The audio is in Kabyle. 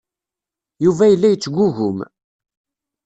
Yuba yella yettgugum.